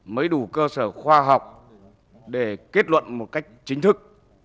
mới đủ cơ sở khoa học để kết luận một cách chính thức